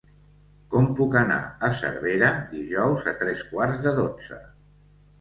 Com puc anar a Cervera dijous a tres quarts de dotze?